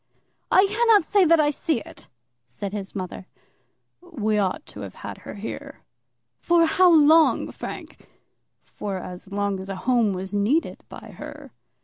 "I cannot say that I see it," said his mother. "We ought to have had her here." "For how long, Frank?" "For as long as a home was needed by her."